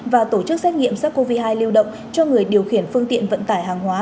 và tổ chức xét nghiệm sars cov hai lưu động cho người điều khiển phương tiện vận tải hàng hóa